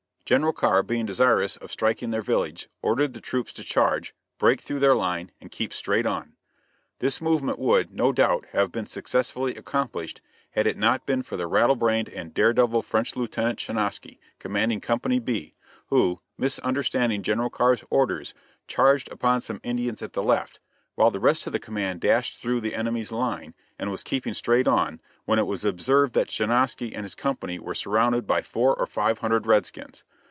General Carr, being desirous of striking their village, ordered the troops to charge, break through their line, and keep straight on. This movement would, no doubt, have been successfully accomplished had it not been for the rattle brained and dare devil French Lieutenant Schinosky, commanding Company B, who, misunderstanding General Carr's orders, charged upon some Indians at the left, while the rest of the command dashed through the enemy's line, and was keeping straight on, when it was observed that Schinosky and his company were surrounded by four or five hundred red skins.